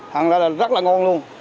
hàng ra là rất là ngon luôn